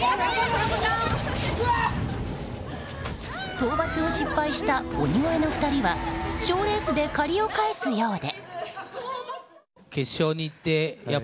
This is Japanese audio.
討伐を失敗した鬼越の２人は賞レースで借りを返すようで。